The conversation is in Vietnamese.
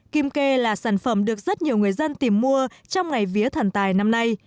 kim kê là sản phẩm được rất nhiều người dân tìm mua trong ngày vía thần tài năm nay